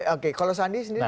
oke kalau sandi sendiri